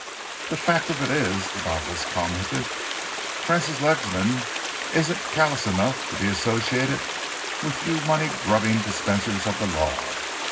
"The fact of it is," the novelist commented, "Francis Ledsam isn't callous enough to be associated with you money grubbing dispensers of the law.